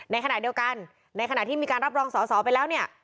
ในขณะเดียวกันในขณะที่มีการรับรองสอสอไปแล้วเนี่ย